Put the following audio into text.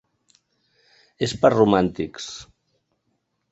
És per romàntics.